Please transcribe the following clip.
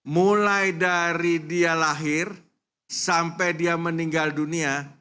mulai dari dia lahir sampai dia meninggal dunia